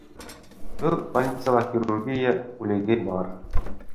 Был больницала хирургия бүлеге бар.